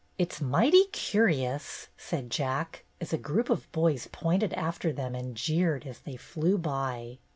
"It's mighty curious," said Jack, as a group of boys pointed after them and jeered as they flew by.